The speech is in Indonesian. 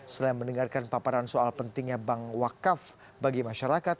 selain mendengarkan paparan soal pentingnya bank wakaf bagi masyarakat